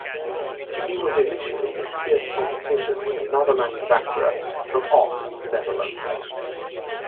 He was initially in fierce competition with another manufacturer from Oss, Netherlands.